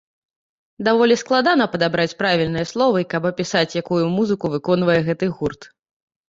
Даволі складана падабраць правільныя словы, каб апісаць, якую музыку выконвае гэты гурт.